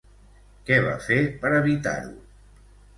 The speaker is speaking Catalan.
Què va fer per evitar-ho?